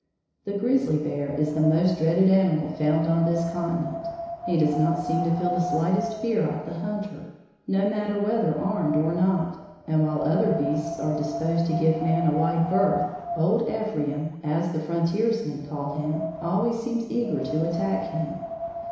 The grizzly bear is the most dreaded animal found on this continent. He does not seem to feel the slightest fear of the hunter, no matter whether armed or not, and, while other beasts are disposed to give man a wide berth, old "Ephraim," as the frontiersmen call him, always seems eager to attack him.